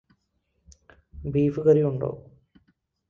Beef കറിയുണ്ടോ?